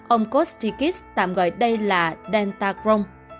ông kostikis tạm gọi đây là delta crohn